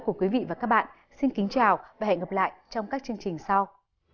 hẹn gặp lại các bạn trong các chương trình sau